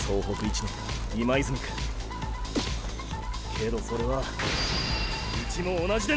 けどそれはうちも同じでね！